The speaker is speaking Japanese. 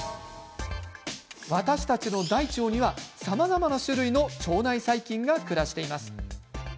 私たちの大腸にはさまざまな種類の腸内細菌が暮らしています。